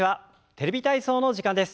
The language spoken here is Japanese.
「テレビ体操」の時間です。